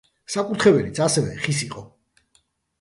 საკურთხეველიც ასევე ხის იყო.